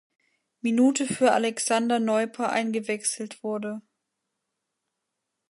Minute für Alexander Neuper eingewechselt wurde.